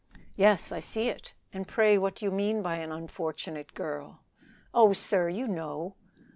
"Yes, I see it. And pray what do you mean by an unfortunate girl?" "Oh, sir! you know."